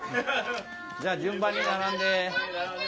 じゃあ順番に並んで。